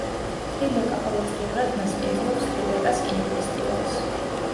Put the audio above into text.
ტრიბეკა ყოველწლიურად მასპინძლობს ტრიბეკას კინოფესტივალს.